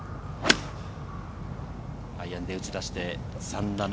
アイアンで打ち出して３打目。